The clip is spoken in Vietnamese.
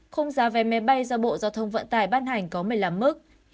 không giá vé máy bay do bộ giao thông vận tài bán hành có một mươi năm mức